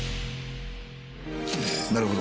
なるほど。